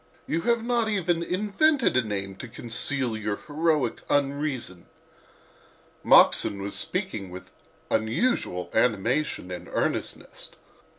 You have not even invented a name to conceal your heroic unreason." Moxon was speaking with unusual animation and earnestness.